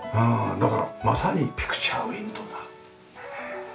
だからまさにピクチャーウィンドーだ。